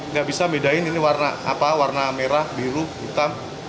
nggak bisa bedain ini warna merah biru hitam